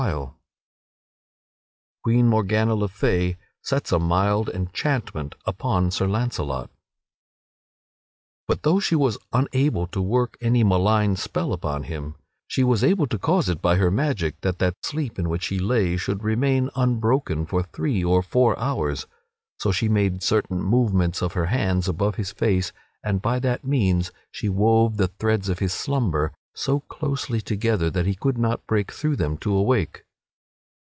[Sidenote: Queen Morgana le Fay sets a mild enchantment upon Sir Launcelot] But though she was unable to work any malign spell upon him, she was able to cause it by her magic that that sleep in which he lay should remain unbroken for three or four hours. So she made certain movements of her hands above his face and by that means she wove the threads of his slumber so closely together that he could not break through them to awake.